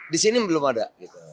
di sini belum ada